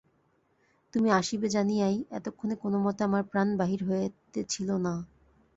তুমি আসিবে জানিয়াই এতক্ষণে কোনোমতে আমার প্রাণ বাহির হইতেছিল না।